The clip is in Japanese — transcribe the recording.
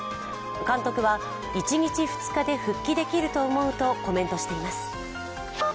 監督は１日、２日で復帰できると思うとコメントしています。